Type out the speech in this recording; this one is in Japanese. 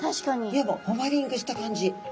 いわばホバリングした感じ。